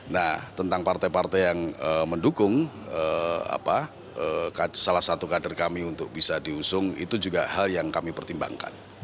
nah tentang partai partai yang mendukung salah satu kader kami untuk bisa diusung itu juga hal yang kami pertimbangkan